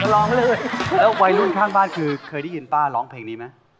แล้ววัยรุ่นข้างบ้านเคยได้ยินป้าร้องเพลงนี้มั้ย